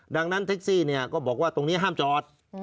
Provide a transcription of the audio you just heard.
ดังนั้นแท็กซี่ก็บอกว่าตรงนี้ห้ามจอด